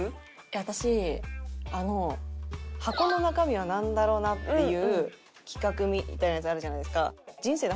私あの箱の中身はなんだろな？っていう企画みたいなやつあるじゃないですか。